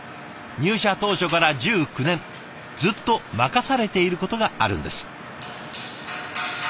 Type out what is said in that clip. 入社当初から１９年ずっと任されていることがあるんです。